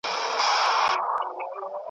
کډي باریږي مېني سوې توري !.